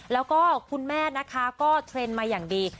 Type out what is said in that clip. แล้วก็คุณแม่นะคะก็เทรนด์มาอย่างดี